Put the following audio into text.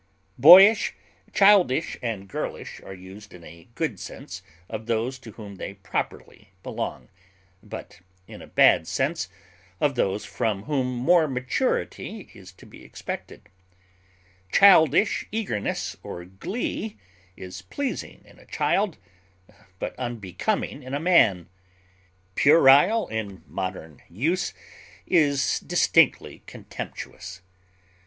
Boyish, childish, and girlish are used in a good sense of those to whom they properly belong, but in a bad sense of those from whom more maturity is to be expected; childish eagerness or glee is pleasing in a child, but unbecoming in a man; puerile in modern use is distinctly contemptuous.